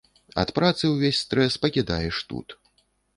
Ад працы ўвесь стрэс пакідаеш тут.